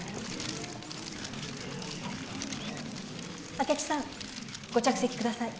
明智さんご着席下さい。